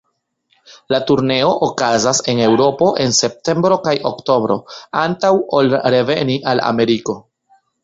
La turneo okazas en Eŭropo en septembro kaj oktobro, antaŭ ol reveni al Ameriko.